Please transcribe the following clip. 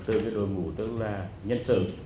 đưa cái đội ngũ tức là nhân sự